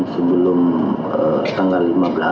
sebelum tanggal lima belas